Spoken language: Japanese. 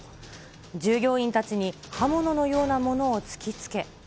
従業員たちに刃物のようなものを突きつけ。